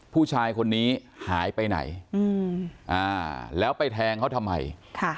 ผู้ชายคนนี้หายไปไหนอืมอ่าแล้วไปแทงเขาทำไมค่ะ